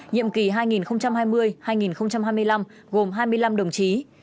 nhiệm kỳ hai nghìn hai mươi hai nghìn hai mươi năm gồm hai mươi năm đồng chí